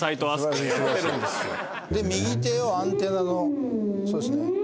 で右手をアンテナのそうですね。